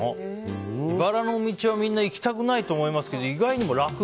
いばらの道はみんな行きたくないと思いますが意外にも楽。